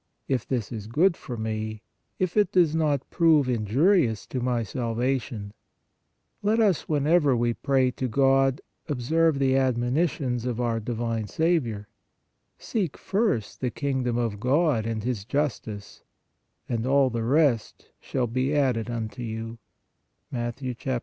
. if this is good for me, if it does not prove icwflfif^rgslo my salvation." Let WHY PRAYERS ARE NOT HEARD 41 us, whenever we pray to God, observe the admoni tions of our divine Saviour :" Seek first the king dom of God and His justice, and all the rest shall be added unto you " (Mat.